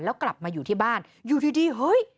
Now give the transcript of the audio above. แล้วกลับมาอยู่ที่บ้านอยู่ดีเฮ้ย